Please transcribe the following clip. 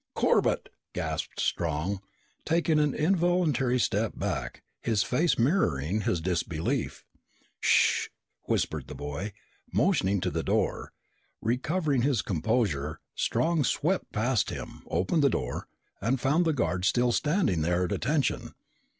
"Corbett!" gasped Strong, taking an involuntary step back, his face mirroring his disbelief. "Sh!" whispered the boy, motioning to the door. Recovering his composure, Strong swept past him, opened the door, and found the guard still standing there at attention.